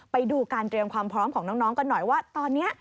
ไปดูการเตรียมความพร้อมของน้องกันหน่อยว่าตอนนี้